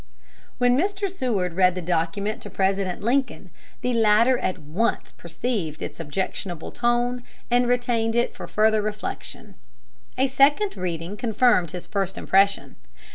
When Mr. Seward read the document to President Lincoln, the latter at once perceived its objectionable tone, and retained it for further reflection. A second reading confirmed his first impression.